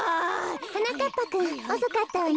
はなかっぱくんおそかったわね。